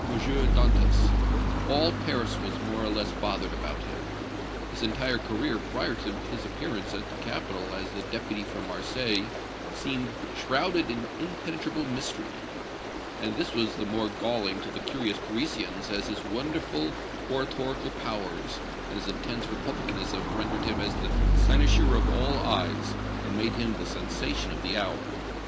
Dantès; all Paris was more or less bothered about him; his entire career prior to his appearance at the capital as the Deputy from Marseilles seemed shrouded in impenetrable mystery, and this was the more galling to the curious Parisians as his wonderful oratorical powers and his intense republicanism rendered him the cynosure of all eyes and made him the sensation of the hour.